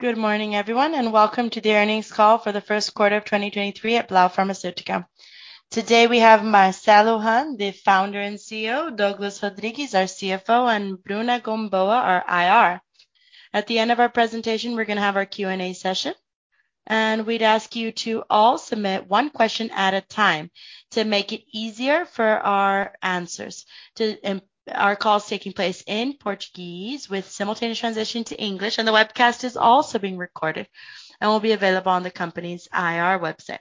Good morning, everyone, welcome to the earnings call for the first quarter of 2023 at Blau Farmacêutica. Today we have Marcelo Hahn, the Founder and CEO, Douglas Rodrigues, our CFO, and Bruna Gambôa, our IR. At the end of our presentation, we're going to have our Q&A session, we'd ask you to all submit 1 question at a time to make it easier for our answers. Our call is taking place in Portuguese with simultaneous translation to English, the webcast is also being recorded and will be available on the company's IR website.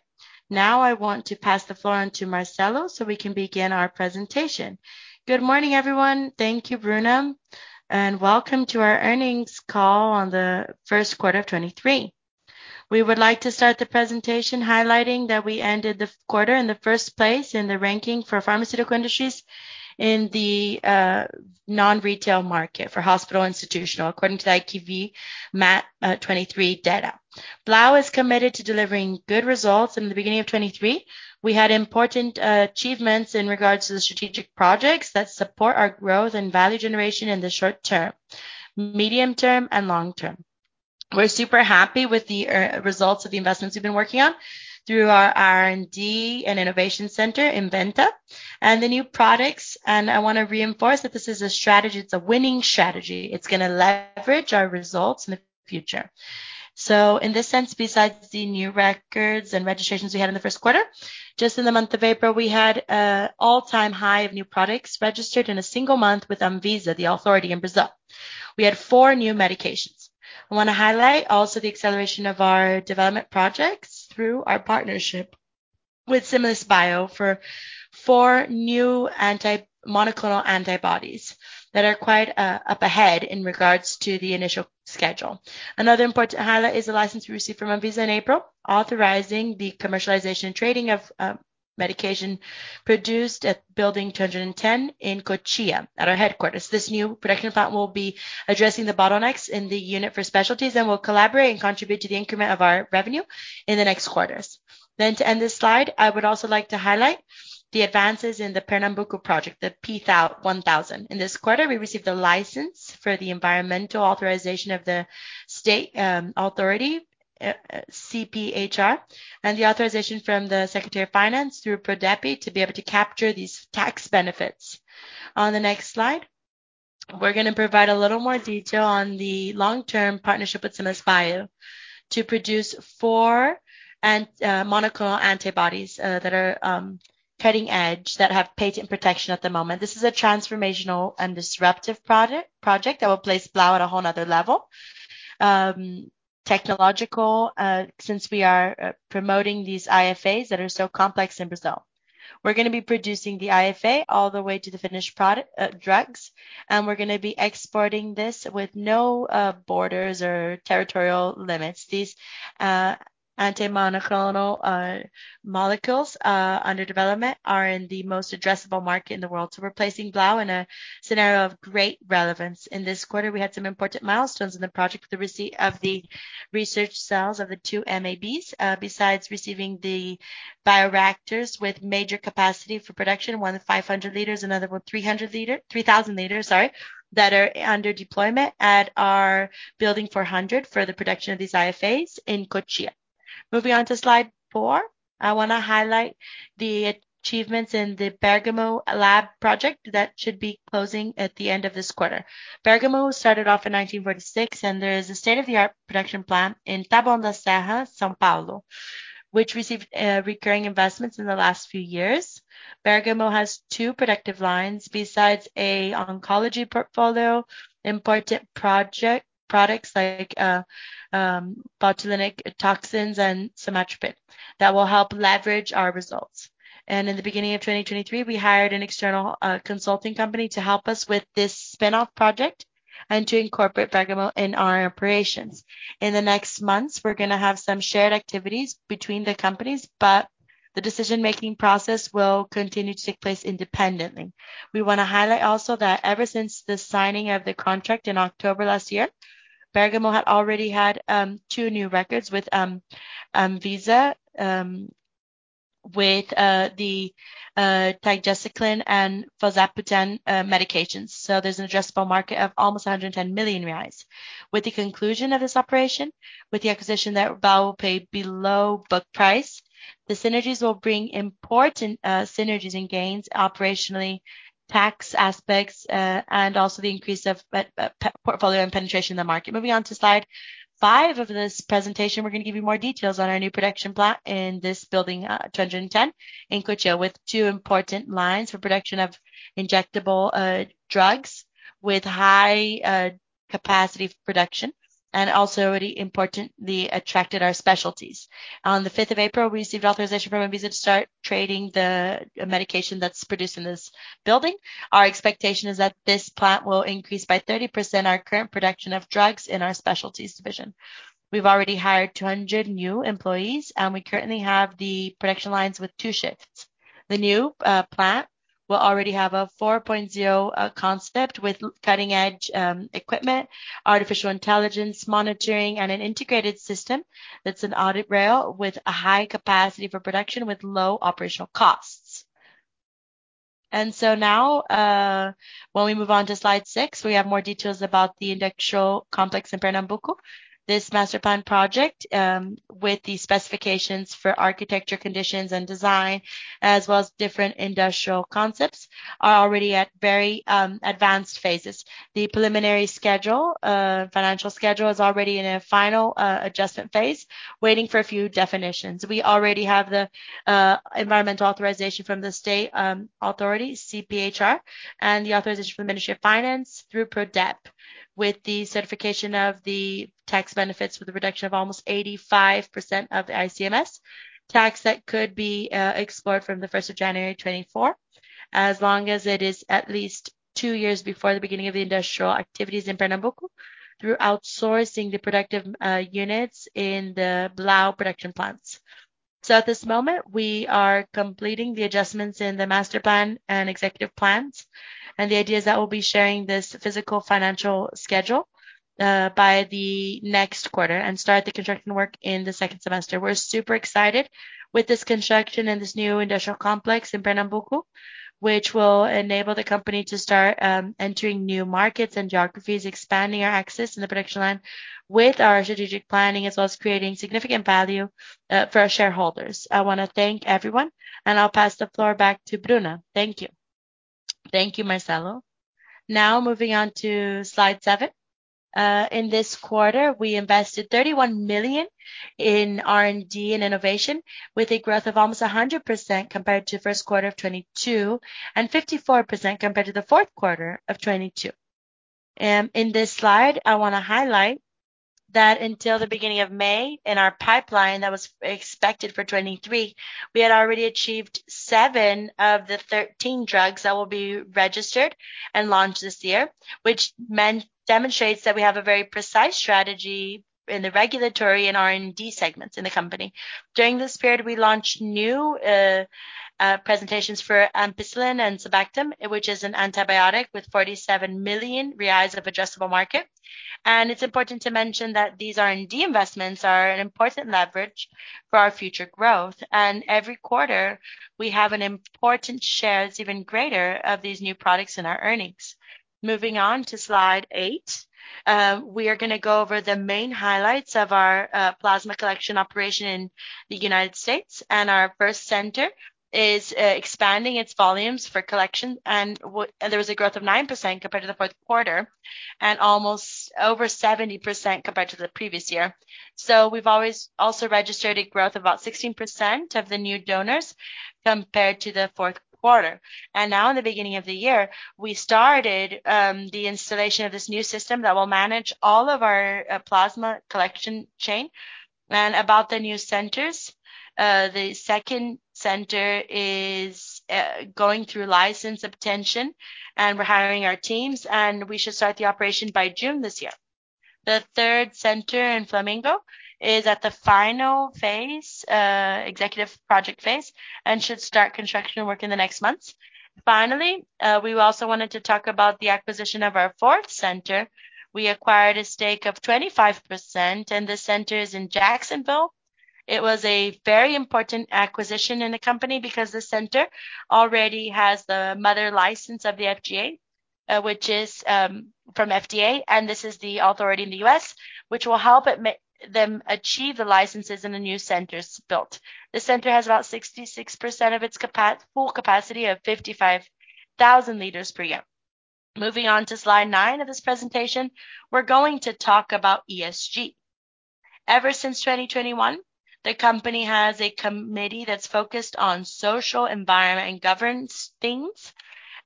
I want to pass the floor on to Marcelo so we can begin our presentation. Good morning, everyone. Thank you, Bruna, welcome to our earnings call on the first quarter of 2023. We would like to start the presentation highlighting that we ended the quarter in the first place in the ranking for pharmaceutical industries in the non-retail market for hospital institutional according to the IQVIA MAT, 23 data. Blau is committed to delivering good results. In the beginning of 23, we had important achievements in regards to the strategic projects that support our growth and value generation in the short term, medium term, and long term. We're super happy with the results of the investments we've been working on through our R&D and innovation center in Inventta and the new products. I wanna reinforce that this is a strategy. It's a winning strategy. It's gonna leverage our results in the future. In this sense, besides the new records and registrations we had in the first quarter, just in the month of April, we had a all-time high of new products registered in a single month with ANVISA, the authority in Brazil. We had 4 new medications. I wanna highlight also the acceleration of our development projects through our partnership with Similis Bio for 4 new monoclonal antibodies that are quite up ahead in regards to the initial schedule. Another important highlight is the license we received from ANVISA in April, authorizing the commercialization and trading of medication produced at building 210 in Cotia at our headquarters. This new production plant will be addressing the bottlenecks in the unit for specialties and will collaborate and contribute to the increment of our revenue in the next quarters. To end this slide, I would also like to highlight the advances in the Pernambuco project, the P 1,000. In this quarter, we received a license for the environmental authorization of the state authority, CPHR, and the authorization from the Secretary of Finance through PRODEPE to be able to capture these tax benefits. On the next slide, we're going to provide a little more detail on the long-term partnership with Similis Bio to produce 4 monoclonal antibodies that are cutting-edge, that have patent protection at the moment. This is a transformational and disruptive project that will place Blau at a whole another level. Technological, since we are promoting these IFAs that are so complex in Brazil. We're gonna be producing the IFA all the way to the finished drugs, and we're gonna be exporting this with no borders or territorial limits. These anti-monoclonal molecules under development are in the most addressable market in the world, so we're placing Blau in a scenario of great relevance. In this quarter, we had some important milestones in the project with the of the research cells of the two mAbs, besides receiving the bioreactors with major capacity for production, one with 500 liters, another with 3,000 liters, sorry, that are under deployment at our building 400 for the production of these IFAs in Cotia. Moving on to slide 4, I wanna highlight the achievements in the Bergamo Lab project that should be closing at the end of this quarter. Bergamo started off in 1946. There is a state-of-the-art production plant in Taboão da Serra, São Paulo, which received recurring investments in the last few years. Bergamo has 2 productive lines besides a oncology portfolio, important products like botulinic toxins and somatropin that will help leverage our results. In the beginning of 2023, we hired an external consulting company to help us with this spin-off project and to incorporate Bergamo in our operations. In the next months, we're gonna have some shared activities between the companies. The decision-making process will continue to take place independently. We wanna highlight also that ever since the signing of the contract in October last year, Bergamo had already had 2 new records with ANVISA, with the tigecycline and Fosaprepitant medications. There's an addressable market of almost 110 million reais. With the conclusion of this operation, with the acquisition that Blau will pay below book price, the synergies will bring important synergies and gains operationally, tax aspects, and also the increase of portfolio and penetration in the market. Moving on to slide 5 of this presentation, we're gonna give you more details on our new production plant in this building 210 in Cotia with two important lines for production of injectable drugs with high capacity for production and also already importantly attracted our specialties. On the 5th of April, we received authorization from ANVISA to start trading the medication that's produced in this building. Our expectation is that this plant will increase by 30% our current production of drugs in our specialties division. We've already hired 200 new employees, and we currently have the production lines with 2 shifts. The new plant will already have a 4.0 concept with cutting-edge equipment, artificial intelligence monitoring, and an integrated system that's an audit trail with a high capacity for production with low operational costs. Now, when we move on to slide 6, we have more details about the industrial complex in Pernambuco. This master plan project, with the specifications for architecture conditions and design, as well as different industrial concepts, are already at very advanced phases. The preliminary schedule, financial schedule is already in a final adjustment phase, waiting for a few definitions. We already have the environmental authorization from the state authority, CPHR, and the authorization from the Ministry of Finance through PRODEPE, with the certification of the tax benefits for the reduction of almost 85% of the ICMS tax that could be explored from the 1st of January 2024, as long as it is at least 2 years before the beginning of the industrial activities in Pernambuco through outsourcing the productive units in the Blau production plants. At this moment, we are completing the adjustments in the master plan and executive plans, and the idea is that we'll be sharing this physical financial schedule by the next quarter and start the construction work in the second semester. We're super excited with this construction and this new industrial complex in Pernambuco, which will enable the company to start entering new markets and geographies, expanding our access in the production line with our strategic planning, as well as creating significant value for our shareholders. I wanna thank everyone, and I'll pass the floor back to Bruna. Thank you. Thank you, Marcelo. Moving on to slide 7. In this quarter, we invested 31 million in R&D and innovation with a growth of almost 100% compared to first quarter of 2022 and 54% compared to the fourth quarter of 2022. In this slide, I wanna highlight that until the beginning of May, in our pipeline that was expected for 2023, we had already achieved seven of the 13 drugs that will be registered and launched this year, which demonstrates that we have a very precise strategy in the regulatory and R&D segments in the company. During this period, we launched new presentations for ampicillin and sulbactam, which is an antibiotic with 47 million reais of addressable market. It's important to mention that these R&D investments are an important leverage for our future growth. Every quarter, we have an important shares, even greater, of these new products in our earnings. Moving on to slide 8. We are gonna go over the main highlights of our plasma collection operation in the United States, our first center is expanding its volumes for collection, and there was a growth of 9% compared to the fourth quarter and almost over 70% compared to the previous year. We've always also registered a growth of about 16% of the new donors compared to the fourth quarter. Now in the beginning of the year, we started the installation of this new system that will manage all of our plasma collection chain. About the new centers, the second center is going through license obtainment, and we're hiring our teams, and we should start the operation by June this year. The third center in Flamingo is at the final phase, executive project phase, and should start construction work in the next months. Finally, we also wanted to talk about the acquisition of our fourth center. We acquired a stake of 25%, and the center is in Jacksonville. It was a very important acquisition in the company because the center already has the mother license of the FDA, which is from FDA, and this is the authority in the U.S., which will help them achieve the licenses in the new centers built. The center has about 66% of its full capacity of 55,000 liters per year. Moving on to slide 9 of this presentation, we're going to talk about ESG. Ever since 2021, the company has a committee that's focused on social, environment, and governance things.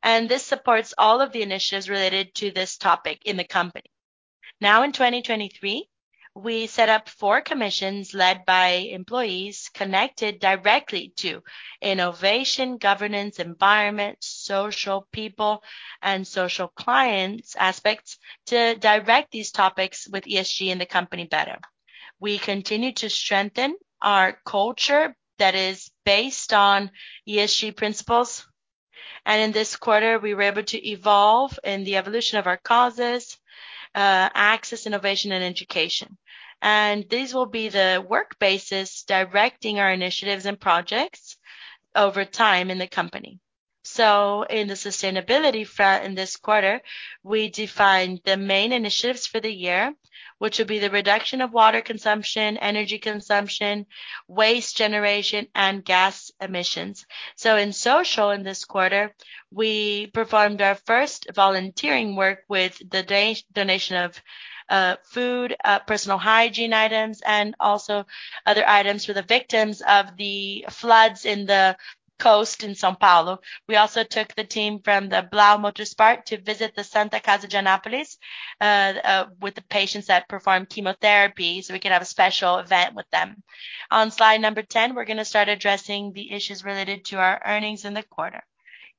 This supports all of the initiatives related to this topic in the company. In 2023, we set up four commissions led by employees connected directly to innovation, governance, environment, social people, and social clients aspects to direct these topics with ESG and the company better. We continue to strengthen our culture that is based on ESG principles. In this quarter, we were able to evolve in the evolution of our causes, access, innovation, and education. These will be the work bases directing our initiatives and projects over time in the company. In the sustainability front in this quarter, we defined the main initiatives for the year, which will be the reduction of water consumption, energy consumption, waste generation, and gas emissions. In social in this quarter, we performed our first volunteering work with the donation of food, personal hygiene items, and also other items for the victims of the floods in the coast in São Paulo. We also took the team from the Blau Motorsport to visit the Santa Casa de Janaúba with the patients that perform chemotherapy, so we could have a special event with them. On slide number 10, we're gonna start addressing the issues related to our earnings in the quarter.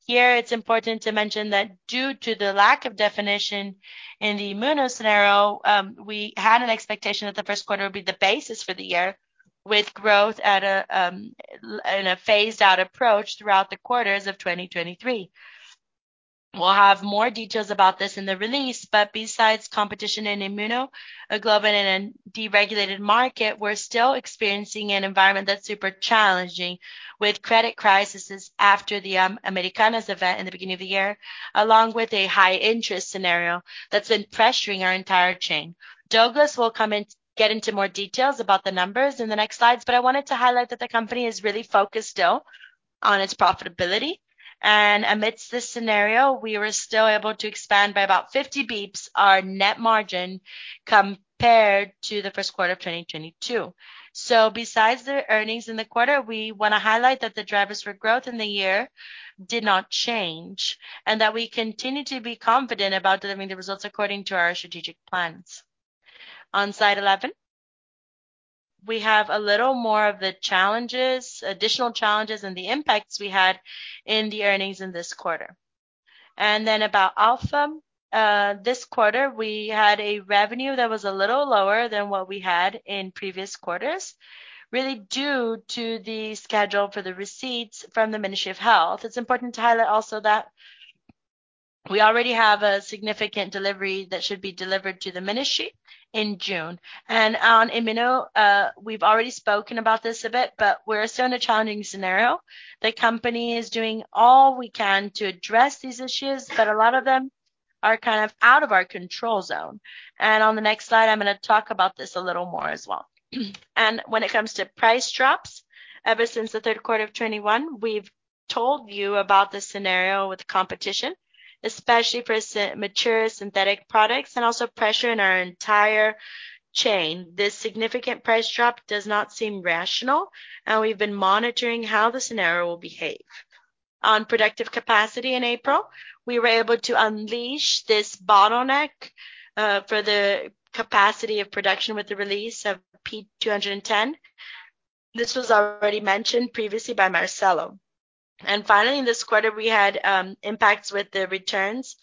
Here, it's important to mention that due to the lack of definition in the immune scenario, we had an expectation that the first quarter would be the basis for the year with growth at a in a phased out approach throughout the quarters of 2023. We'll have more details about this in the release. Besides competition in Immuno, a globin in a deregulated market, we're still experiencing an environment that's super challenging with credit crises after the Americanas event in the beginning of the year, along with a high interest scenario that's been pressuring our entire chain. Douglas will get into more details about the numbers in the next slides, but I wanted to highlight that the company is really focused still on its profitability. Amidst this scenario, we were still able to expand by about 50 bps our net margin compared to the 1st quarter of 2022. Besides the earnings in the quarter, we wanna highlight that the drivers for growth in the year did not change, and that we continue to be confident about delivering the results according to our strategic plans. On slide 11, we have a little more of the challenges, additional challenges and the impacts we had in the earnings in this quarter. About Alpha, this quarter, we had a revenue that was a little lower than what we had in previous quarters, really due to the schedule for the receipts from the Ministry of Health. It's important to highlight also that we already have a significant delivery that should be delivered to the ministry in June. On Immuno, we've already spoken about this a bit, but we're still in a challenging scenario. The company is doing all we can to address these issues, but a lot of them are kind of out of our control zone. On the next slide, I'm gonna talk about this a little more as well. When it comes to price drops, ever since the 3rd quarter of 2021, we've told you about the scenario with competition, especially for mature synthetic products, and also pressure in our entire chain. This significant price drop does not seem rational. We've been monitoring how the scenario will behave. On productive capacity in April, we were able to unleash this bottleneck for the capacity of production with the release of P 210. This was already mentioned previously by Marcelo. Finally, in this quarter, we had impacts with the returns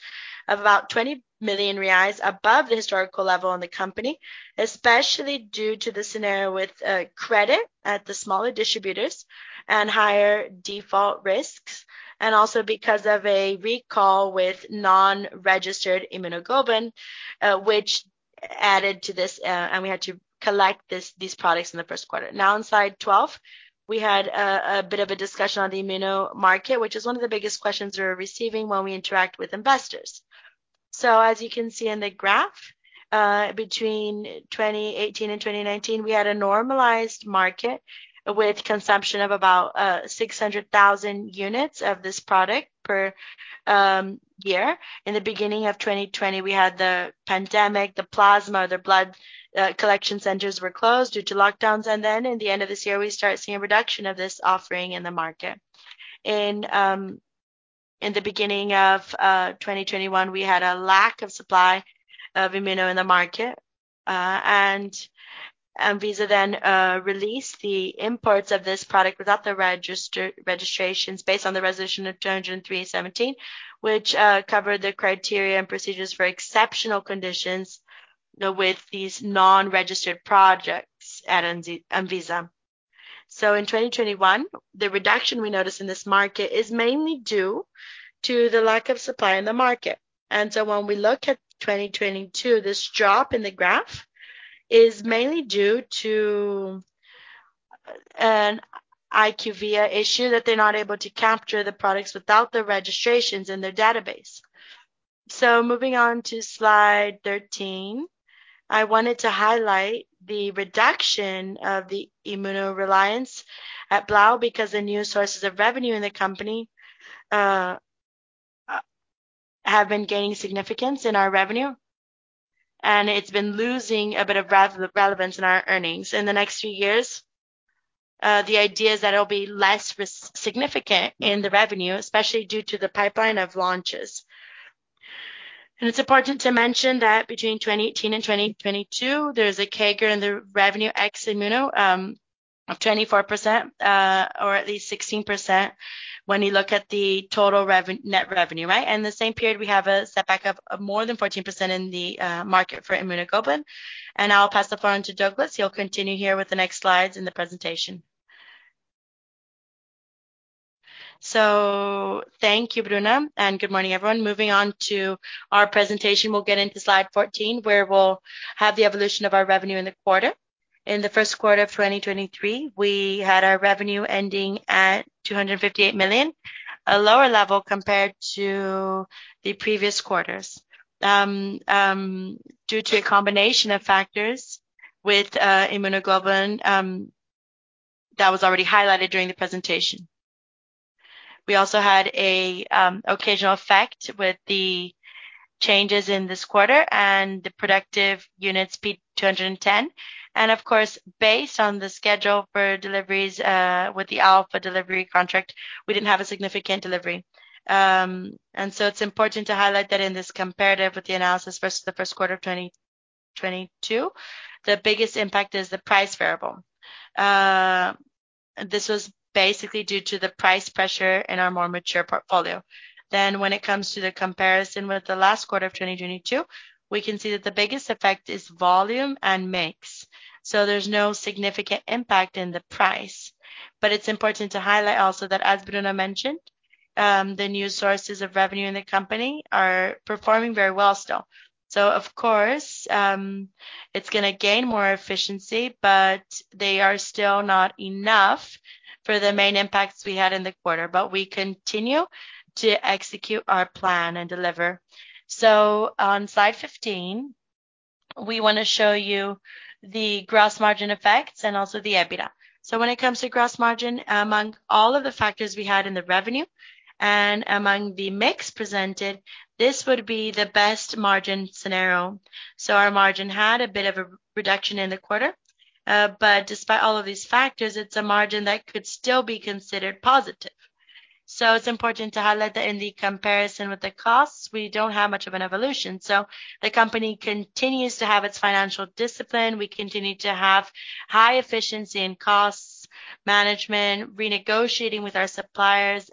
of about 20 million reais above the historical level in the company, especially due to the scenario with credit at the smaller distributors and higher default risks, and also because of a recall with non-registered immunoglobulin, which added to this, and we had to collect these products in the first quarter. On slide 12, we had a bit of a discussion on the Immuno market, which is one of the biggest questions we're receiving when we interact with investors. As you can see in the graph, between 2018 and 2019, we had a normalized market with consumption of about 600,000 units of this product per year. In the beginning of 2020, we had the pandemic, the plasma, the blood, collection centers were closed due to lockdowns. In the end of this year, we start seeing a reduction of this offering in the market. In the beginning of 2021, we had a lack of supply of Immuno in the market, and ANVISA then, released the imports of this product without the registrations based on the resolution of 203/2017 which covered the criteria and procedures for exceptional conditions with these non-registered projects at ANVISA. In 2021, the reduction we noticed in this market is mainly due to the lack of supply in the market. When we look at 2022, this drop in the graph is mainly due to an IQVIA issue, that they're not able to capture the products without the registrations in their database. Moving on to slide 13, I wanted to highlight the reduction of the Immuno reliance at Blau because the new sources of revenue in the company have been gaining significance in our revenue, and it's been losing a bit of relevance in our earnings. In the next few years, the idea is that it'll be less significant in the revenue, especially due to the pipeline of launches. It's important to mention that between 2018 and 2022, there's a CAGR in the revenue ex Immuno of 24%, or at least 16% when you look at the total net revenue, right? In the same period, we have a setback of more than 14% in the market for immunoglobulin. I'll pass the floor on to Douglas. He'll continue here with the next slides in the presentation. Thank you, Bruna, and good morning, everyone. Moving on to our presentation, we'll get into slide 14, where we'll have the evolution of our revenue in the quarter. In the first quarter of 2023, we had our revenue ending at 258 million, a lower level compared to the previous quarters, due to a combination of factors with immunoglobulin that was already highlighted during the presentation. We also had a occasional effect with the changes in this quarter and the productive units P210. Of course, based on the schedule for deliveries, with the Alpha delivery contract, we didn't have a significant delivery. It's important to highlight that in this comparative with the analysis versus the first quarter of 2022, the biggest impact is the price variable. This was basically due to the price pressure in our more mature portfolio. When it comes to the comparison with the last quarter of 2022, we can see that the biggest effect is volume and mix. So there's no significant impact in the price. It's important to highlight also that, as Bruna mentioned, the new sources of revenue in the company are performing very well still. Of course, it's gonna gain more efficiency, but they are still not enough for the main impacts we had in the quarter. We continue to execute our plan and deliver. On slide 15, we wanna show you the gross margin effects and also the EBITDA. When it comes to gross margin, among all of the factors we had in the revenue and among the mix presented, this would be the best margin scenario. Our margin had a bit of a reduction in the quarter, but despite all of these factors, it's a margin that could still be considered positive. It's important to highlight that in the comparison with the costs, we don't have much of an evolution. The company continues to have its financial discipline. We continue to have high efficiency in costs management, renegotiating with our suppliers.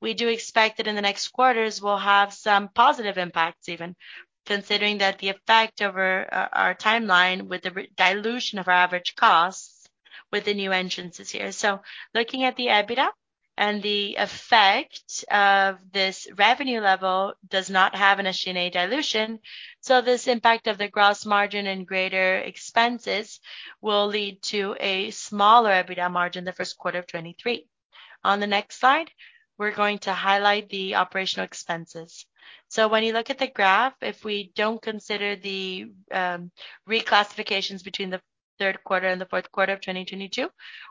We do expect that in the next quarters, we'll have some positive impacts even, considering that the effect over our timeline with the dilution of our average costs with the new entrances here. Looking at the EBITDA and the effect of this revenue level does not have an SG&N dilution. This impact of the gross margin and greater expenses will lead to a smaller EBITDA margin in the first quarter of 23. On the next slide, we're going to highlight the operational expenses. When you look at the graph, if we don't consider the reclassifications between the third quarter and the fourth quarter of 2022,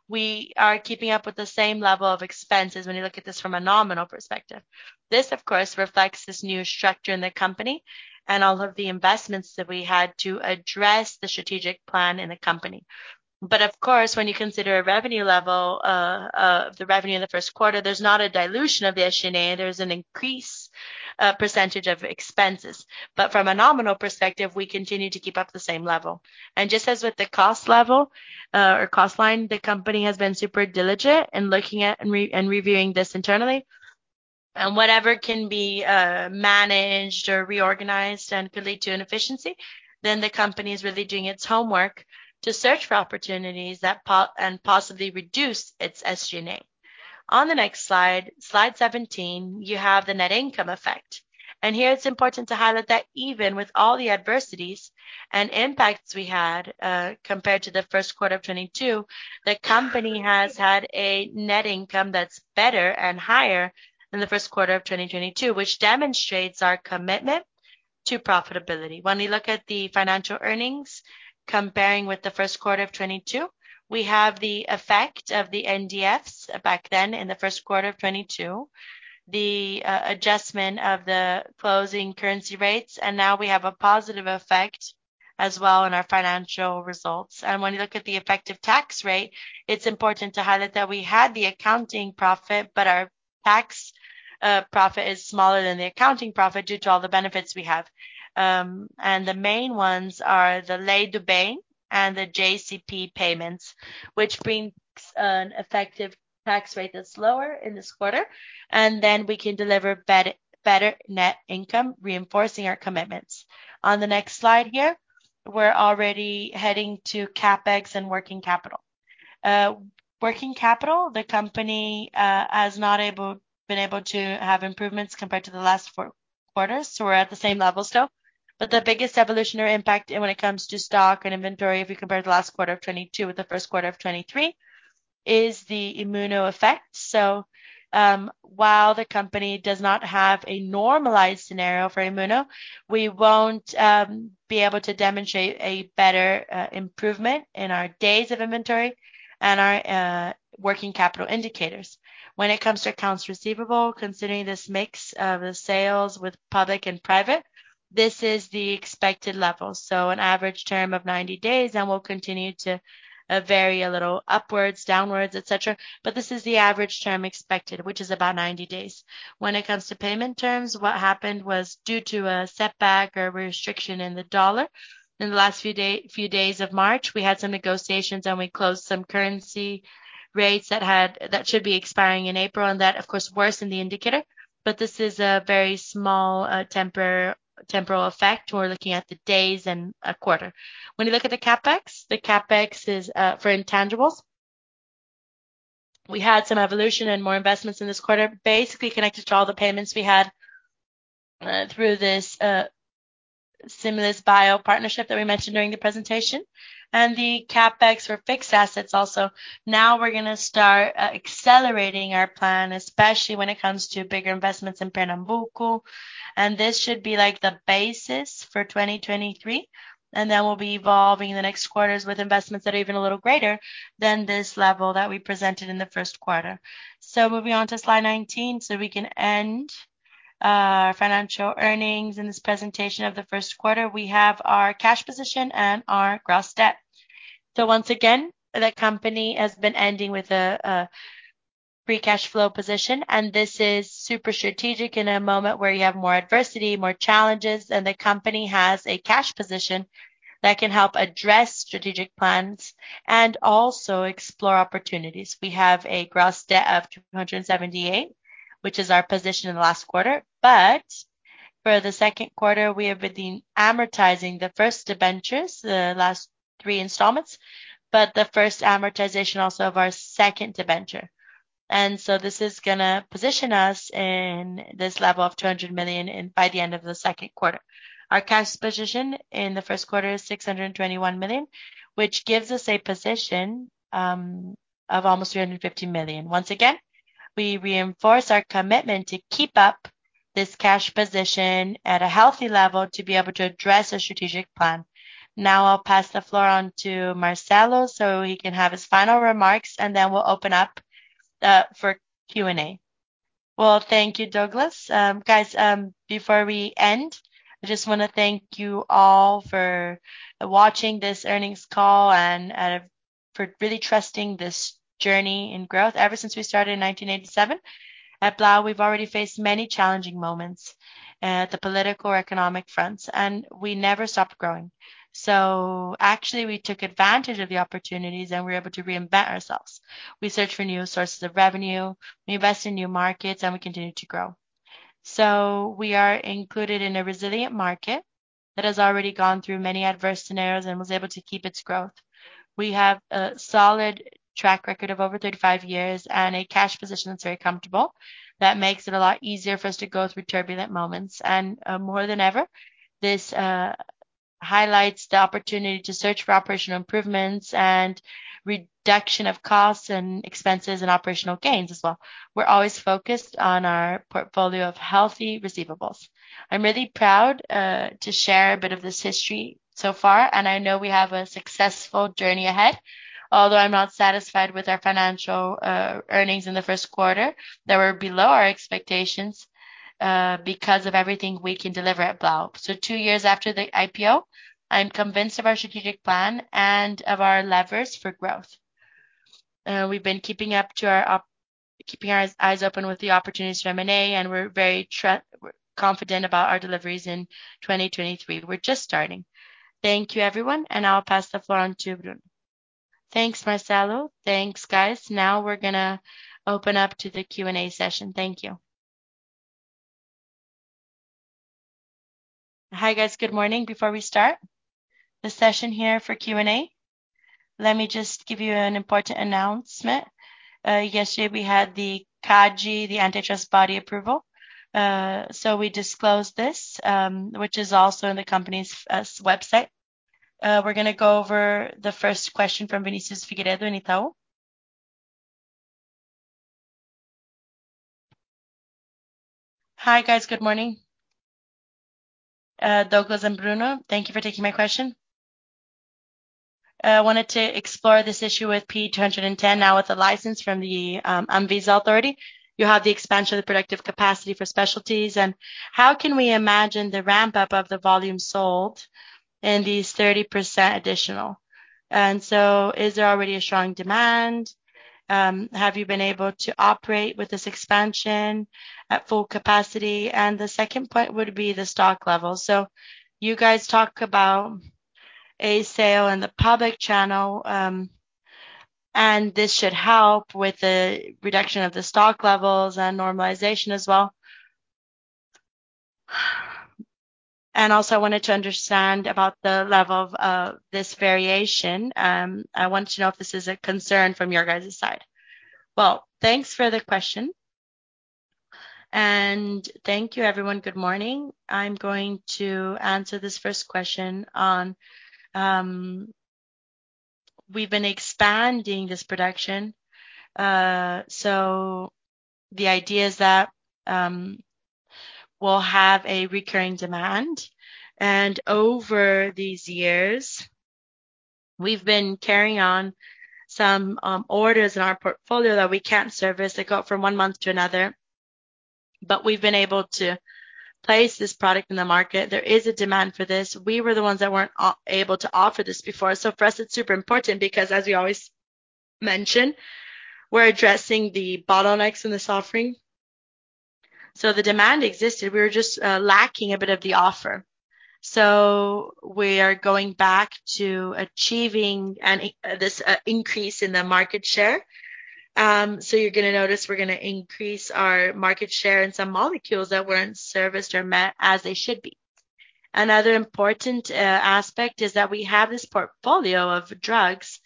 we are keeping up with the same level of expenses when you look at this from a nominal perspective. This, of course, reflects this new structure in the company and all of the investments that we had to address the strategic plan in the company. Of course, when you consider a revenue level, the revenue in the first quarter, there's not a dilution of the SGN, there's an increased % of expenses. From a nominal perspective, we continue to keep up the same level. Just as with the cost level, or cost line, the company has been super diligent in looking at and reviewing this internally. Whatever can be managed or reorganized and could lead to inefficiency, then the company is really doing its homework to search for opportunities that possibly reduce its SGN. On the next slide 17, you have the net income effect. Here it's important to highlight that even with all the adversities and impacts we had, compared to the first quarter of 22, the company has had a net income that's better and higher than the first quarter of 2022, which demonstrates our commitment to profitability. When we look at the financial earnings comparing with the first quarter of 22, we have the effect of the NDFs back then in the first quarter of 22, the adjustment of the closing currency rates, and now we have a positive effect as well in our financial results. When you look at the effective tax rate, it's important to highlight that we had the accounting profit, but our tax profit is smaller than the accounting profit due to all the benefits we have. The main ones are the Lei do Bem and the JCP payments, which brings an effective tax rate that's lower in this quarter. Then we can deliver better net income, reinforcing our commitments. On the next slide here, we're already heading to CapEx and working capital. Working capital, the company has not been able to have improvements compared to the last 4 quarters, so we're at the same level still. The biggest evolutionary impact when it comes to stock and inventory, if you compare the last quarter of 22 with the first quarter of 23, is the Immuno effect. While the company does not have a normalized scenario for Immuno, we won't be able to demonstrate a better improvement in our days of inventory and our working capital indicators. When it comes to accounts receivable, considering this mix of the sales with public and private, this is the expected level. An average term of 90 days, and will continue to vary a little upwards, downwards, et cetera. This is the average term expected, which is about 90 days. When it comes to payment terms, what happened was due to a setback or restriction in the US dollar in the last few days of March, we had some negotiations, and we closed some currency rates that should be expiring in April, and that, of course, worsened the indicator. This is a very small, temper-temporal effect. We're looking at the days and a quarter. When you look at the CapEx, the CapEx is for intangibles. We had some evolution and more investments in this quarter, basically connected to all the payments we had through this Similis Bio partnership that we mentioned during the presentation. The CapEx for fixed assets also. Now we're gonna start accelerating our plan, especially when it comes to bigger investments in Pernambuco, and this should be, like, the basis for 2023. We'll be evolving in the next quarters with investments that are even a little greater than this level that we presented in the first quarter. Moving on to slide 19, so we can end our financial earnings in this presentation of the first quarter. We have our cash position and our gross debt. Once again, the company has been ending with a free cash flow position, and this is super strategic in a moment where you have more adversity, more challenges, and the company has a cash position that can help address strategic plans and also explore opportunities. We have a gross debt of 278 million, which is our position in the last quarter. For the second quarter, we have been amortizing the first debentures, the last three installments, but the first amortization also of our second debenture. This is gonna position us in this level of 200 million by the end of the second quarter. Our cash position in the first quarter is 621 million, which gives us a position of almost 350 million. Once again, we reinforce our commitment to keep up this cash position at a healthy level to be able to address our strategic plan. I'll pass the floor on to Marcelo, so he can have his final remarks, and then we'll open up for Q&A. Well, thank you, Douglas. Guys, before we end, I just wanna thank you all for watching this earnings call and for really trusting this journey in growth. Ever since we started in 1987 at Blau, we've already faced many challenging moments at the political or economic fronts, and we never stopped growing. Actually, we took advantage of the opportunities, and we were able to reinvent ourselves. We searched for new sources of revenue, we invest in new markets, and we continue to grow. We are included in a resilient market that has already gone through many adverse scenarios and was able to keep its growth. We have a solid track record of over 35 years and a cash position that's very comfortable. That makes it a lot easier for us to go through turbulent moments. More than ever, this highlights the opportunity to search for operational improvements and reduction of costs and expenses and operational gains as well. We're always focused on our portfolio of healthy receivables. I'm really proud to share a bit of this history so far, and I know we have a successful journey ahead. Although I'm not satisfied with our financial earnings in the 1st quarter, they were below our expectations because of everything we can deliver at Blau. Two years after the IPO, I'm convinced of our strategic plan and of our levers for growth. We've been keeping our eyes open with the opportunities from M&A, and we're very confident about our deliveries in 2023. We're just starting. Thank you, everyone, and I'll pass the floor on to Bruna. Thanks, Marcelo. Thanks, guys. Now we're gonna open up to the Q&A session. Thank you. Hi, guys. Good morning. Before we start the session here for Q&A, let me just give you an important announcement. Yesterday we had the CADE, the antitrust body approval. We disclosed this, which is also in the company's website. We're gonna go over the first question from Vinicius Figueiredo in Itaú. Hi, guys. Good morning. Douglas and Bruna, thank you for taking my question. I wanted to explore this issue with P210 now with the license from the ANVISA authority. You have the expansion of the productive capacity for specialties, how can we imagine the ramp-up of the volume sold in these 30% additional? Is there already a strong demand? Have you been able to operate with this expansion at full capacity? The second point would be the stock level. You guys talk about a sale in the public channel, this should help with the reduction of the stock levels and normalization as well. Also, I wanted to understand about the level of this variation. I want to know if this is a concern from your guys' side. Well, thanks for the question. Thank you, everyone. Good morning. I'm going to answer this first question on... We've been expanding this production, the idea is that we'll have a recurring demand. Over these years, we've been carrying on some orders in our portfolio that we can't service. They go from one month to another. We've been able to place this product in the market. There is a demand for this. We were the ones that weren't able to offer this before. For us, it's super important because as we always mention, we're addressing the bottlenecks in this offering. The demand existed, we were just lacking a bit of the offer. We are going back to achieving this increase in the market share. You're gonna notice we're gonna increase our market share in some molecules that weren't serviced or met as they should be. Another important aspect is that we have this portfolio of drugs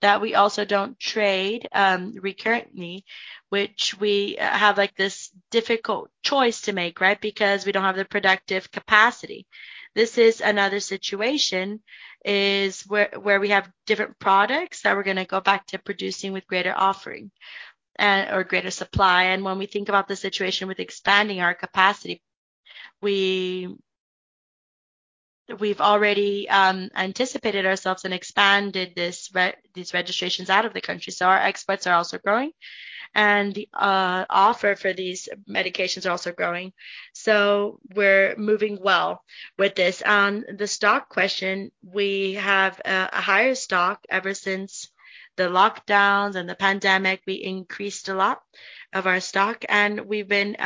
that we also don't trade recurrently, which we have this difficult choice to make, right? Because we don't have the productive capacity. This is another situation, is where we have different products that we're gonna go back to producing with greater offering or greater supply. When we think about the situation with expanding our capacity, we've already anticipated ourselves and expanded these registrations out of the country. Our exports are also growing. The offer for these medications are also growing. We're moving well with this. On the stock question, we have a higher stock ever since the lockdowns and the pandemic. We increased a lot of our stock, and we've been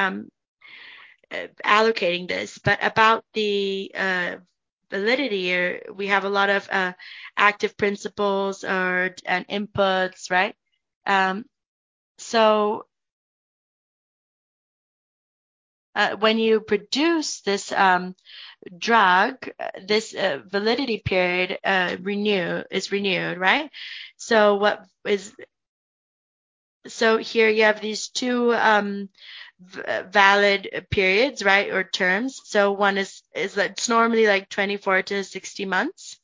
allocating this. About the validity, we have a lot of active principles or and inputs, right? When you produce this drug, this validity period is renewed, right? Here you have these two valid periods, right, or terms. One is like it's normally like 24-60 months.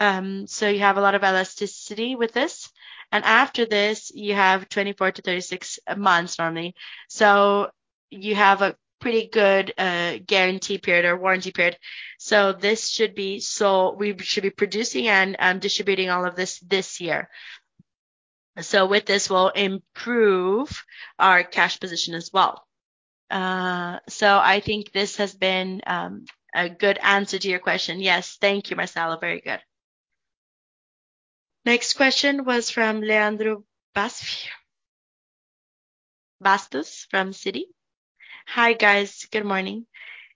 You have a lot of elasticity with this. After this, you have 24-36 months normally. You have a pretty good guarantee period or warranty period. We should be producing and distributing all of this year. With this, we'll improve our cash position as well. I think this has been a good answer to your question. Yes. Thank you, Marcelo. Very good. Next question was from Leandro Bastos from Citi. Hi, guys. Good morning.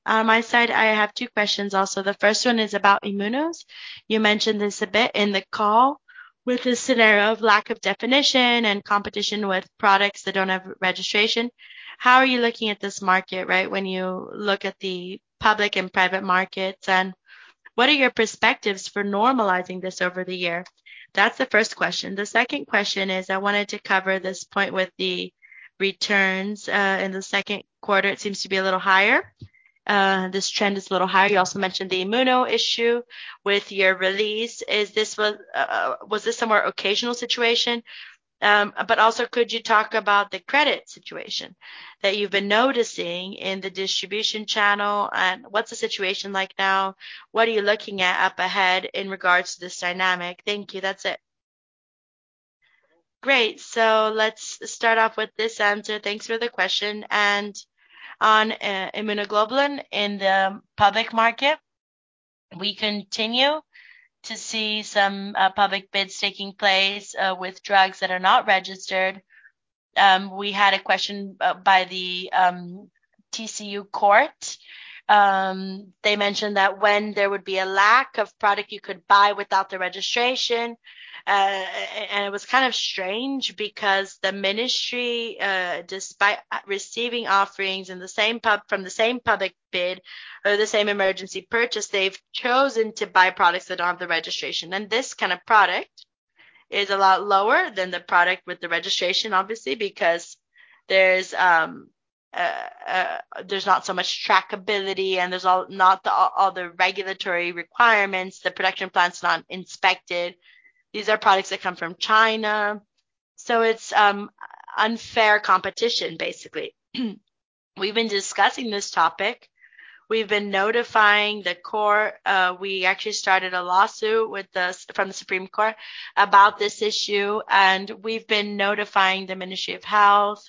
On my side, I have two questions also. The first one is about Immuno. You mentioned this a bit in the call with the scenario of lack of definition and competition with products that don't have registration. How are you looking at this market, right, when you look at the public and private markets? What are your perspectives for normalizing this over the year? That's the first question. The second question is I wanted to cover this point with the returns. In the second quarter, it seems to be a little higher. This trend is a little higher. You also mentioned the Immuno issue with your release. Is this a more occasional situation? Also could you talk about the credit situation that you've been noticing in the distribution channel, and what's the situation like now? What are you looking at up ahead in regards to this dynamic? Thank you. That's it. Great. Let's start off with this answer. Thanks for the question. On Immunoglobulin in the public market, we continue to see some public bids taking place with drugs that are not registered. We had a question by the TCU. They mentioned that when there would be a lack of product you could buy without the registration, and it was kind of strange because the Ministry of Health, despite receiving offerings from the same public bid or the same emergency purchase, they've chosen to buy products that don't have the registration. This kind of product is a lot lower than the product with the registration, obviously, because there's not so much trackability, and there's not the, all the regulatory requirements. The production plant's not inspected. These are products that come from China. It's unfair competition, basically. We've been discussing this topic. We've been notifying the court. We actually started a lawsuit from the Supreme Court about this issue, and we've been notifying the Ministry of Health,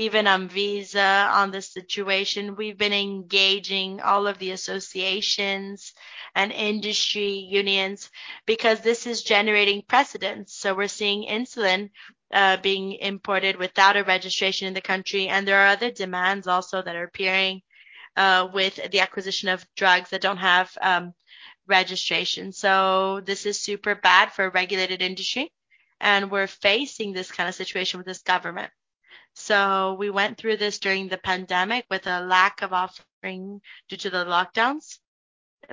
even, ANVISA on this situation. We've been engaging all of the associations and industry unions because this is generating precedents. We're seeing insulin being imported without a registration in the country. There are other demands also that are appearing with the acquisition of drugs that don't have registration. This is super bad for a regulated industry, and we're facing this kind of situation with this government. We went through this during the pandemic with a lack of offering due to the lockdowns,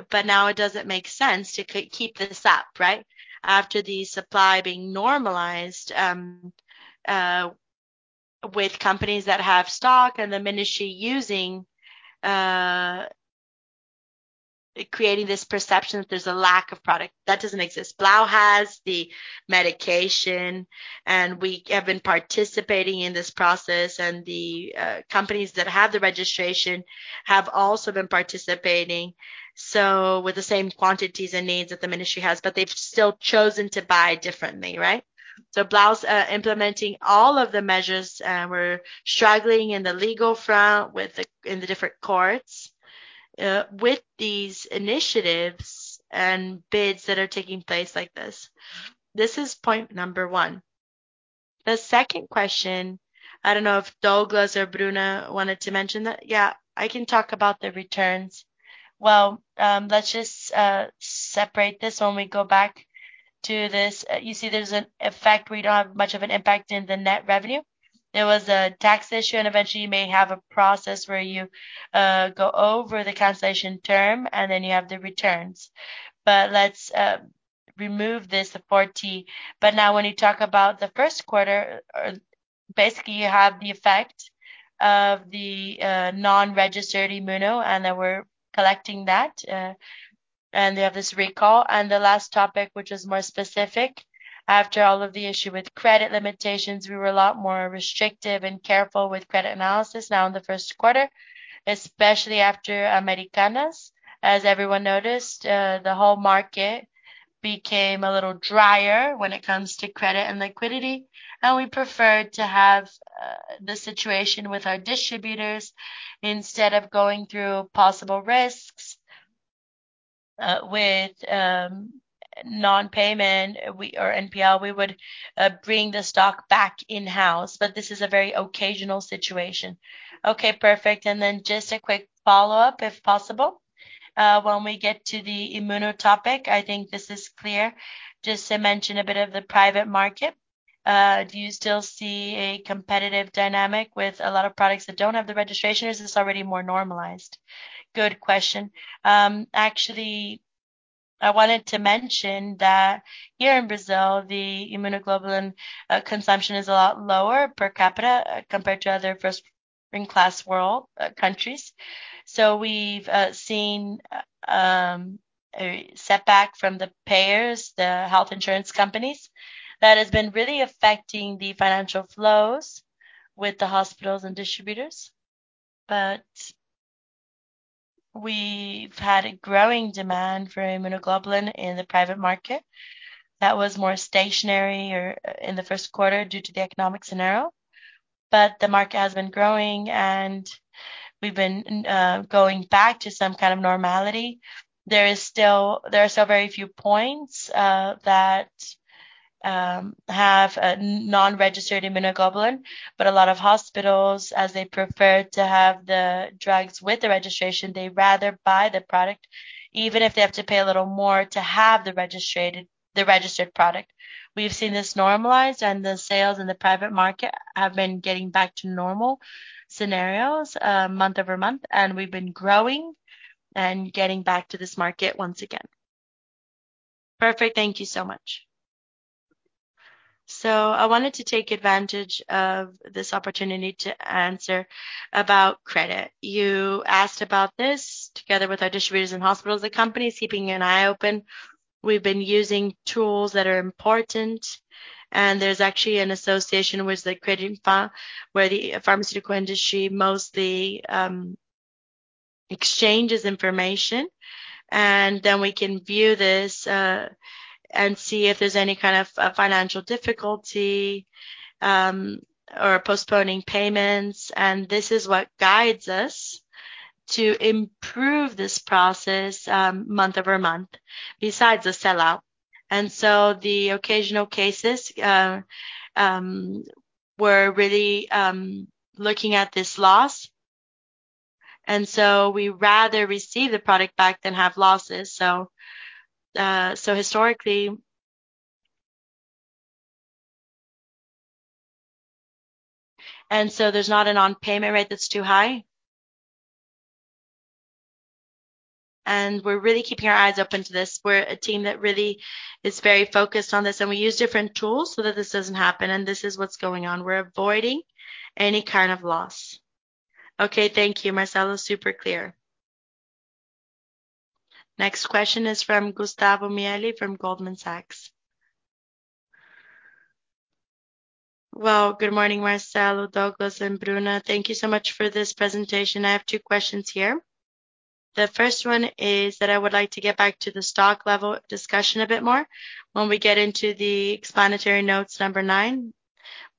but now it doesn't make sense to keep this up, right, after the supply being normalized, with companies that have stock and the Ministry using, creating this perception that there's a lack of product. That doesn't exist. Blau has the medication, and we have been participating in this process, and the companies that have the registration have also been participating, with the same quantities and needs that the Ministry has, but they've still chosen to buy differently, right? Blau's implementing all of the measures, and we're struggling in the legal front in the different courts with these initiatives and bids that are taking place like this. This is point number one. The second question, I don't know if Douglas or Bruna wanted to mention that. Yeah, I can talk about the returns. Well, let's just separate this when we go back to this. You see there's an effect. We don't have much of an impact in the net revenue. There was a tax issue, and eventually you may have a process where you go over the cancellation term, and then you have the returns. Let's remove this support team. Now when you talk about the first quarter, basically you have the effect of the non-registered Immuno, and then we're collecting that, and they have this recall. The last topic, which is more specific, after all of the issue with credit limitations, we were a lot more restrictive and careful with credit analysis now in the first quarter. Especially after Americanas, as everyone noticed, the whole market became a little drier when it comes to credit and liquidity, and we preferred to have the situation with our distributors instead of going through possible risks with non-payment or NPL. We would bring the stock back in-house, but this is a very occasional situation. Okay. Perfect. Just a quick follow-up, if possible. When we get to the Immuno topic, I think this is clear. Just to mention a bit of the private market. Do you still see a competitive dynamic with a lot of products that don't have the registration, or is this already more normalized? Good question. Actually, I wanted to mention that here in Brazil, the Immunoglobulin consumption is a lot lower per capita compared to other first-ring class world countries. We've seen a setback from the payers, the health insurance companies, that has been really affecting the financial flows with the hospitals and distributors. We've had a growing demand for Immunoglobulin in the private market that was more stationary in the first quarter due to the economic scenario. The market has been growing, and we've been going back to some kind of normality. There is still... There are still very few points that have non-registered immunoglobulin, but a lot of hospitals, as they prefer to have the drugs with the registration, they rather buy the product, even if they have to pay a little more to have the registered product. We've seen this normalized, and the sales in the private market have been getting back to normal scenarios, month-over-month, and we've been growing and getting back to this market once again. Perfect. Thank you so much. I wanted to take advantage of this opportunity to answer about credit. You asked about this. Together with our distributors and hospitals, the company is keeping an eye open. We've been using tools that are important, there's actually an association with the credit fund, where the pharmaceutical industry mostly exchanges information, then we can view this and see if there's any kind of financial difficulty or postponing payments. This is what guides us to improve this process month-over-month, besides the sell-out. The occasional cases, we're really looking at this loss. We rather receive the product back than have losses. Historically... there's not a non-payment rate that's too high. We're really keeping our eyes open to this. We're a team that really is very focused on this, and we use different tools so that this doesn't happen, and this is what's going on. We're avoiding any kind of loss. Okay. Thank you, Marcelo. Super clear. Next question is from Gustavo Miele from Goldman Sachs. Good morning, Marcelo, Douglas, and Bruna. Thank you so much for this presentation. I have two questions here. The first one is that I would like to get back to the stock level discussion a bit more. When we get into the explanatory notes number 9,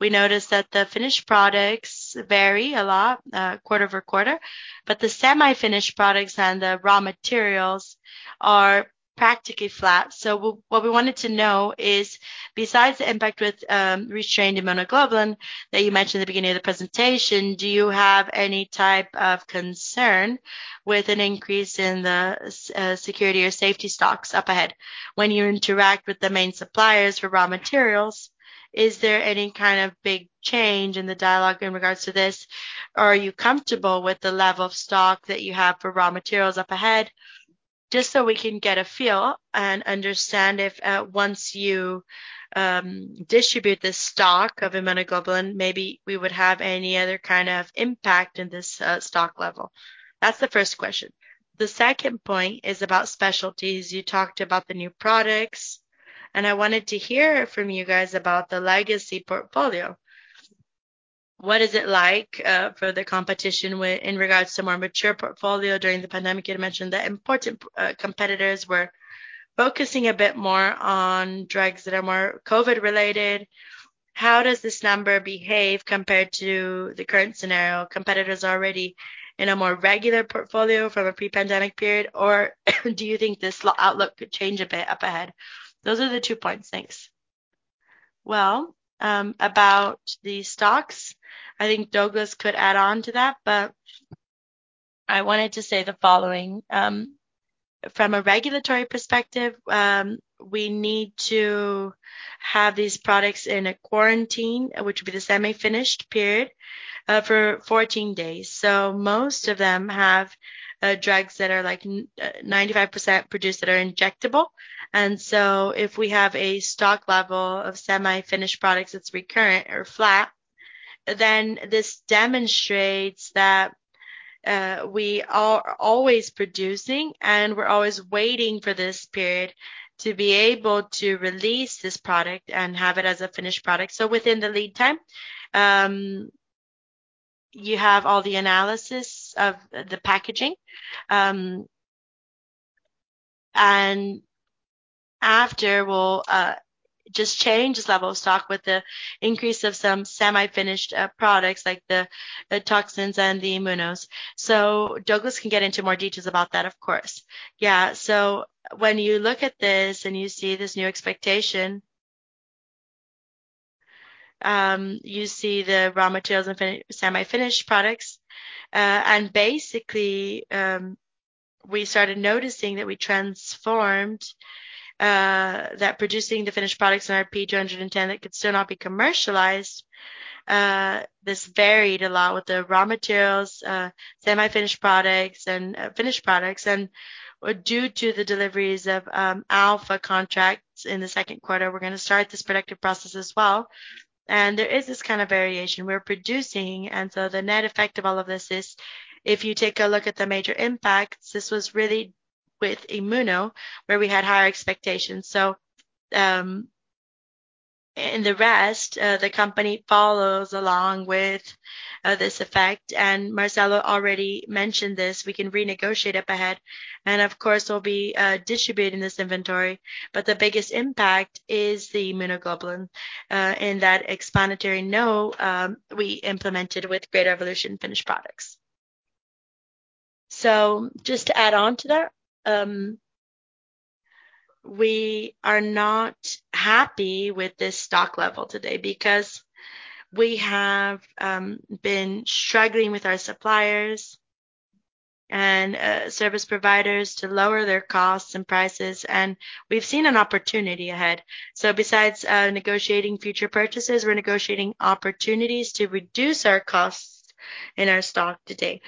we notice that the finished products vary a lot, quarter over quarter, but the semi-finished products and the raw materials are practically flat. What we wanted to know is, besides the impact with restrained immunoglobulin that you mentioned at the beginning of the presentation, do you have any type of concern with an increase in the security or safety stocks up ahead? When you interact with the main suppliers for raw materials, is there any kind of big change in the dialogue in regards to this? Are you comfortable with the level of stock that you have for raw materials up ahead? Just so we can get a feel and understand if, once you distribute the stock of immunoglobulin, maybe we would have any other kind of impact in this stock level. That's the first question. The second point is about specialties. You talked about the new products. I wanted to hear from you guys about the legacy portfolio. What is it like for the competition in regards to more mature portfolio during the pandemic? You mentioned that important competitors were focusing a bit more on drugs that are more COVID related. How does this number behave compared to the current scenario? Competitors are already in a more regular portfolio from a pre-pandemic period, or do you think this outlook could change a bit up ahead? Those are the 2 points. Thanks. Well, about the stocks, I think Douglas could add on to that, but I wanted to say the following. From a regulatory perspective, we need to have these products in a quarantine, which would be the semi-finished period, for 14 days. Most of them have drugs that are, like, 95% produced that are injectable. If we have a stock level of semi-finished products that's recurrent or flat, then this demonstrates that we are always producing, and we're always waiting for this period to be able to release this product and have it as a finished product. Within the lead time, you have all the analysis of the packaging. After, we'll just change this level of stock with the increase of some semi-finished products like the toxins and the Immuno. Douglas can get into more details about that, of course. When you look at this and you see this new expectation, you see the raw materials and semi-finished products. Basically, we started noticing that we transformed that producing the finished products in our P 210 that could still not be commercialized. This varied a lot with the raw materials, semi-finished products and finished products. Due to the deliveries of Alpha contracts in the second quarter, we're going to start this productive process as well. There is this kind of variation we're producing. The net effect of all of this is if you take a look at the major impacts, this was really with Immuno, where we had higher expectations. The rest, the company follows along with this effect. Marcelo already mentioned this, we can renegotiate up ahead, and of course, we'll be distributing this inventory. The biggest impact is the immunoglobulin, we implemented with greater evolution finished products. Just to add on to that, we are not happy with this stock level today because we have been struggling with our suppliers and service providers to lower their costs and prices, and we've seen an opportunity ahead. Besides negotiating future purchases, we're negotiating opportunities to reduce our costs in our stock today.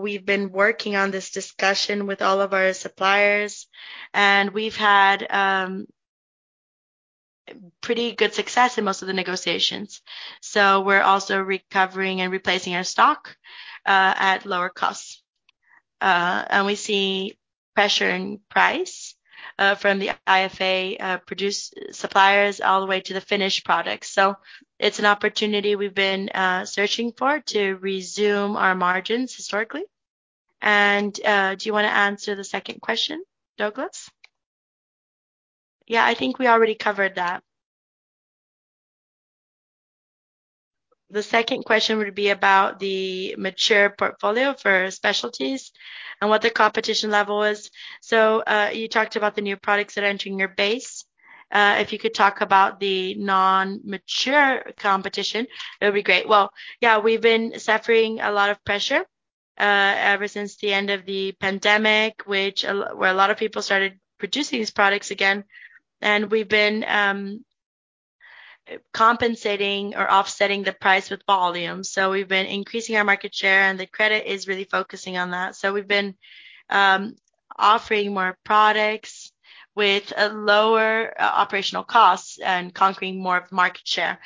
We've been working on this discussion with all of our suppliers, and we've had pretty good success in most of the negotiations. We're also recovering and replacing our stock at lower costs. And we see pressure in price from the IFA produce suppliers all the way to the finished product. It's an opportunity we've been searching for to resume our margins historically. Do you wanna answer the second question, Douglas? Yeah, I think we already covered that. The second question would be about the mature portfolio for specialties and what the competition level is. You talked about the new products that are entering your base. If you could talk about the non-mature competition, it would be great. We've been suffering a lot of pressure ever since the end of the pandemic, where a lot of people started producing these products again, and we've been compensating or offsetting the price with volume. We've been increasing our market share, and the credit is really focusing on that. We've been offering more products with a lower operational cost and conquering more of market share.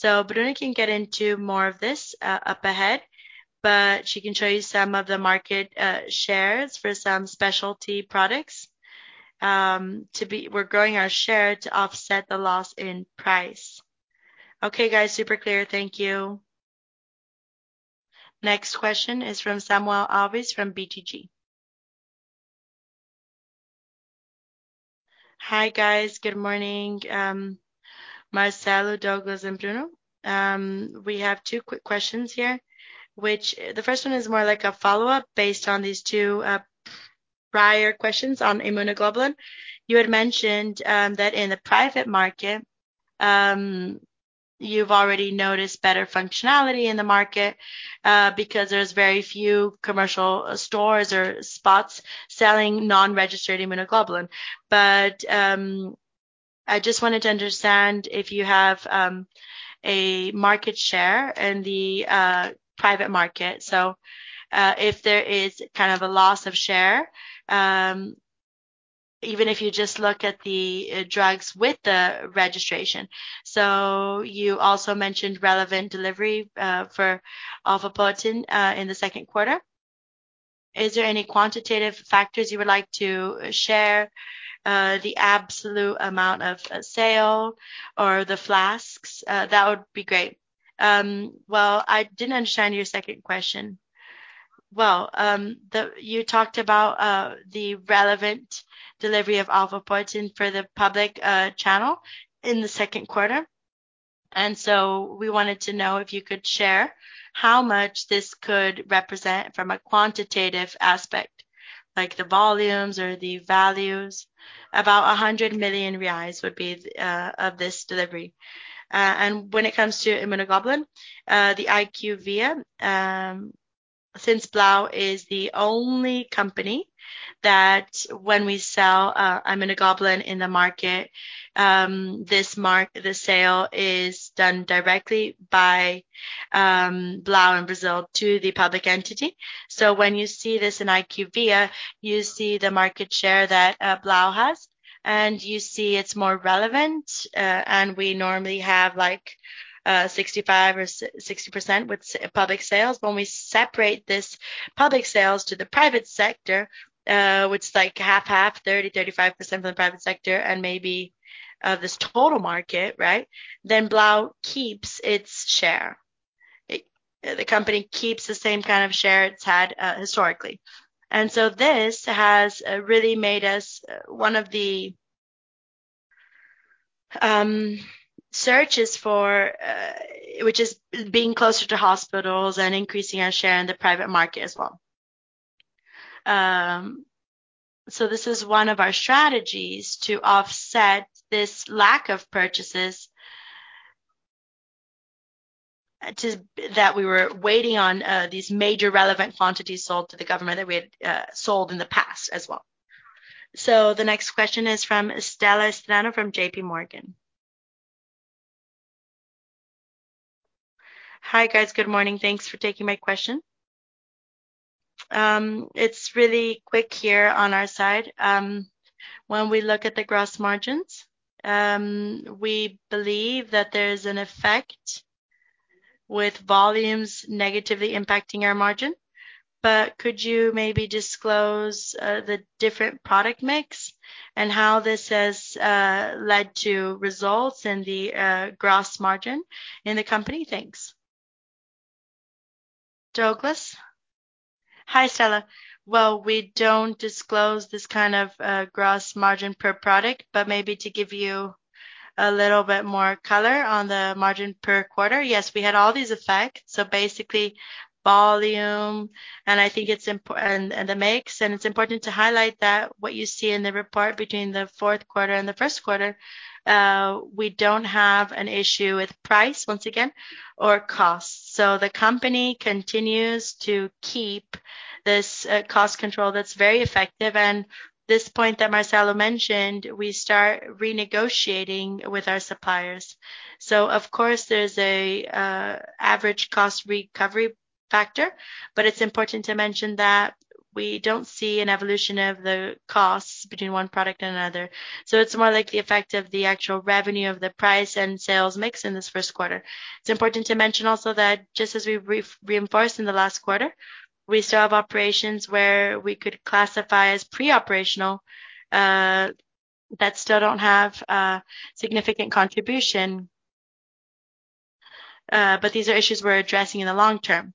Bruna can get into more of this up ahead, but she can show you some of the market shares for some specialty products. We're growing our share to offset the loss in price. Okay, guys. Super clear. Thank you. Next question is from Samuel Alves from BTG. Hi, guys. Good morning, Marcelo, Douglas, and Bruna. We have two quick questions here, which the first one is more like a follow-up based on these two prior questions on Immunoglobulin. You had mentioned that in the private market, you've already noticed better functionality in the market because there's very few commercial stores or spots selling non-registered Immunoglobulin. I just wanted to understand if you have a market share in the private market. If there is kind of a loss of share, even if you just look at the drugs with the registration. You also mentioned relevant delivery for alfaepoetin in the second quarter. Is there any quantitative factors you would like to share, the absolute amount of sale or the flasks? That would be great. Well, I didn't understand your second question. Well, you talked about the relevant delivery of Alfaepoetina for the public channel in the second quarter. We wanted to know if you could share how much this could represent from a quantitative aspect, like the volumes or the values. About 100 million reais would be of this delivery. When it comes to Immunoglobulin, the IQVIA, since Blau is the only company that when we sell Immunoglobulin in the market, the sale is done directly by Blau in Brazil to the public entity. When you see this in IQVIA, you see the market share that Blau has, and you see it's more relevant. We normally have like 65% or 60% with public sales. When we separate this public sales to the private sector, which is like half-half, 30%, 35% for the private sector and maybe this total market, right? Blau keeps its share. The company keeps the same kind of share it's had historically. This has really made us one of the searches for, which is being closer to hospitals and increasing our share in the private market as well. This is one of our strategies to offset this lack of purchases that we were waiting on, these major relevant quantities sold to the government that we had sold in the past as well. The next question is from Estela Strano from JPMorgan. Hi, guys. Good morning. Thanks for taking my question. It's really quick here on our side. When we look at the gross margins, we believe that there is an effect with volumes negatively impacting our margin. Could you maybe disclose the different product mix and how this has led to results in the gross margin in the company? Thanks. Douglas? Hi, Estela. Well, we don't disclose this kind of gross margin per product, but maybe to give you a little bit more color on the margin per quarter. We had all these effects, basically volume, and I think it's the mix, and it's important to highlight that what you see in the report between the fourth quarter and the first quarter, we don't have an issue with price once again or cost. The company continues to keep this cost control that's very effective. This point that Marcelo mentioned, we start renegotiating with our suppliers. Of course, there's a average cost recovery factor, but it's important to mention that we don't see an evolution of the costs between one product and another. It's more like the effect of the actual revenue of the price and sales mix in this first quarter. It's important to mention also that just as we re-reinforced in the last quarter, we still have operations where we could classify as pre-operational that still don't have significant contribution. These are issues we're addressing in the long term.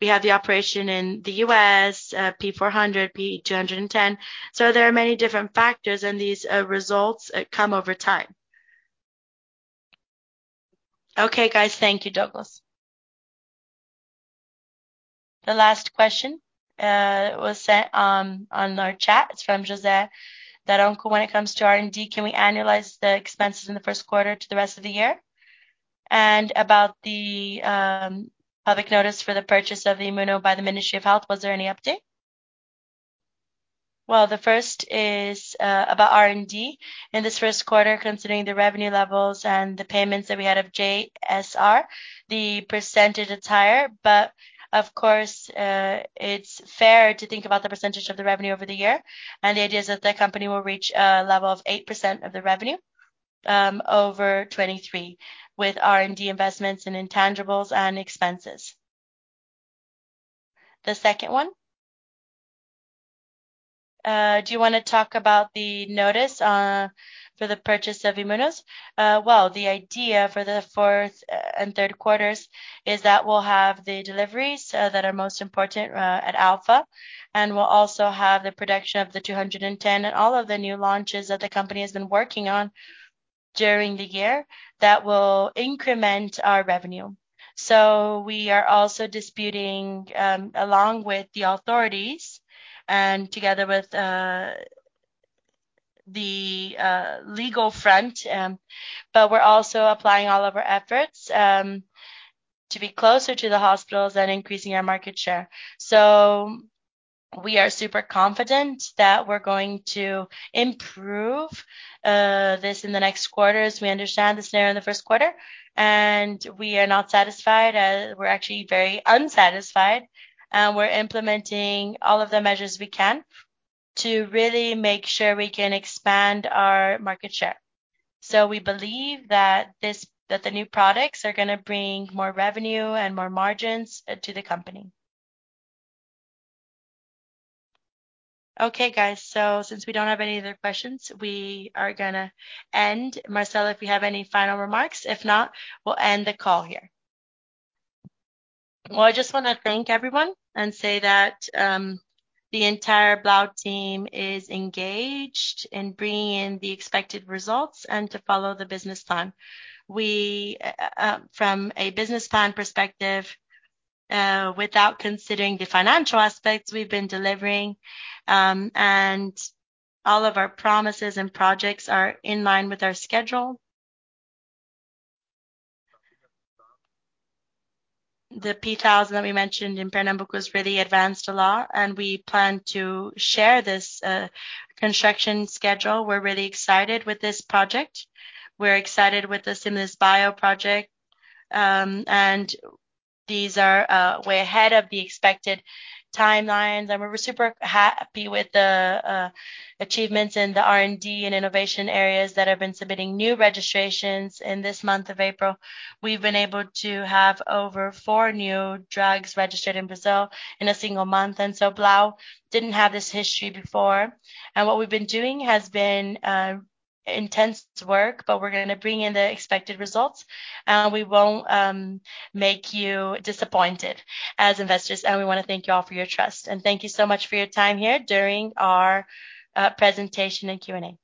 We have the operation in the U.S., P 400, P 210. There are many different factors and these results come over time. Okay, guys. Thank you, Douglas. The last question was sent on our chat. It's from José Daroncho. When it comes to R&D, can we annualize the expenses in the 1st quarter to the rest of the year? About the public notice for the purchase of the Immuno by the Ministry of Health, was there any update? Well, the 1st is about R&D. In this 1st quarter, considering the revenue levels and the payments that we had of JSR, the percentage is higher. Of course, it's fair to think about the percentage of the revenue over the year. The idea is that the company will reach a level of 8% of the revenue over 2023 with R&D investments in intangibles and expenses. The second one. Do you wanna talk about the notice for the purchase of Immunos? Well, the idea for the fourth and third quarters is that we'll have the deliveries that are most important at Alpha, and we'll also have the production of the 210 and all of the new launches that the company has been working on during the year that will increment our revenue. We are also disputing along with the authorities and together with the legal front, but we're also applying all of our efforts to be closer to the hospitals and increasing our market share. We are super confident that we're going to improve this in the next quarter as we understand the scenario in the first quarter, and we are not satisfied. We're actually very unsatisfied, and we're implementing all of the measures we can to really make sure we can expand our market share. we believe that the new products are gonna bring more revenue and more margins to the company. Okay, guys. Since we don't have any other questions, we are gonna end. Marcelo, if you have any final remarks. If not, we'll end the call here. I just wanna thank everyone and say that the entire Blau team is engaged in bringing in the expected results and to follow the business plan. We, from a business plan perspective, without considering the financial aspects we've been delivering, and all of our promises and projects are in line with our schedule. The P1000 that we mentioned in Pernambuco is really advanced a lot, and we plan to share this construction schedule. We're really excited with this project. We're excited with this in this bio project. These are way ahead of the expected timelines, and we're super happy with the achievements in the R&D and innovation areas that have been submitting new registrations in this month of April. We've been able to have over 4 new drugs registered in Brazil in a single month. Blau didn't have this history before. What we've been doing has been intense work, but we're gonna bring in the expected results, and we won't make you disappointed as investors. We wanna thank you all for your trust. Thank you so much for your time here during our presentation and Q&A.